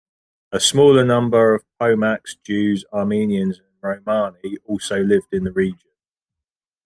A smaller number of Pomaks, Jews, Armenians and Romani also lived in the region.